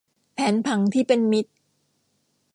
แผนผังที่เป็นมิตร